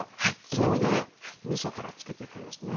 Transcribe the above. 木の芽みそから作っていくんですね。